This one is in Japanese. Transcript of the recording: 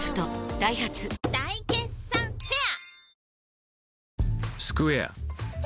ダイハツ大決算フェア